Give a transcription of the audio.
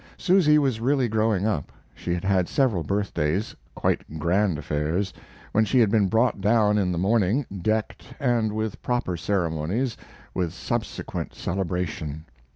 Susy was really growing up. She had had several birthdays, quite grand affairs, when she had been brought down in the morning, decked, and with proper ceremonies, with subsequent celebration.